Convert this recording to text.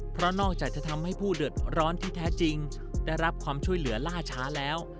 เพราะนอกจากจะทำให้ผู้เดือดร้อนที่แท้จริงได้รับความช่วยเหลือล่าช้าแล้ว